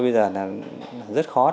bây giờ là rất khó